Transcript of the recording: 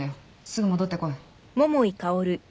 すぐ戻ってこい。